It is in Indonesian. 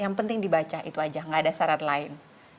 yang penting dibaca itu saja tidak ada syarat lain